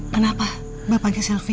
kenapa bapaknya selfie